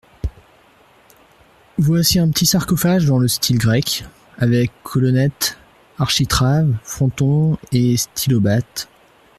Voici un petit sarcophage dans le style grec… avec colonnettes, architraves, fronton et stylobate…